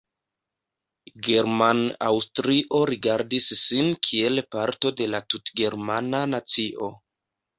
German-Aŭstrio rigardis sin kiel parto de la tutgermana nacio.